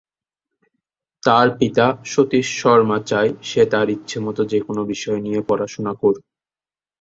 তার পিতা সতীশ শর্মা চায় সে তার ইচ্ছে মত যেকোনো বিষয় নিয়ে পড়াশুনা করুক।